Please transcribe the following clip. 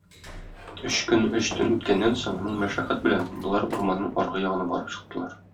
Өч көн, өч төн үткәннән соң, мең мәшәкать белән, болар урманның аргы ягына барып чыктылар.